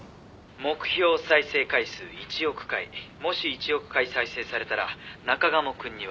「目標再生回数１億回」「もし１億回再生されたら中鴨くんには１０００万円入ります」